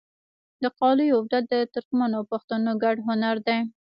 د قالیو اوبدل د ترکمنو او پښتنو ګډ هنر دی.